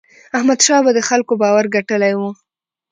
احمدشاه بابا د خلکو باور ګټلی و.